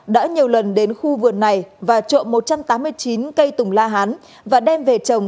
đã nhiều lần đến khu vườn này và trộm một trăm tám mươi chín cây tùng la hán và đem về trồng